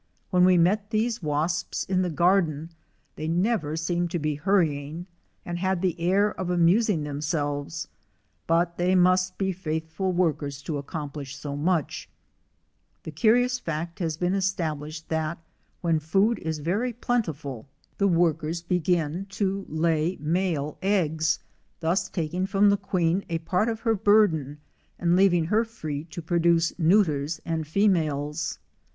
When we met these wasps in the garden they never seemed to be hurry ing, and had the air of amusing them selves; but they must be faithful workers to accomplish so much. The curious fact has been estab lished that when food is very plentiful the workers ii PAPER NEST WITH SIDE REMOVED TO SHOW CONSTRUCTION OF COMBS WASPS, SOCIAL AND SOLITARY begin to lay male eggs, thus taking from the queen a part of her burden and leaving her free to produce neuters and females.